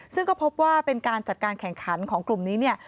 ซึ่งก็พบว่าเป็นการจัดการแข่งขันของกลุ่มนี้เนี่ย